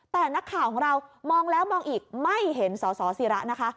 แต่นักข่าวของเรามองแล้วมองอีกไม่เห็นสสิระนะคะ